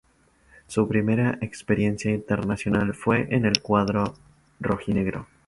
Su primera experiencia internacional fue en el cuadro rojinegro.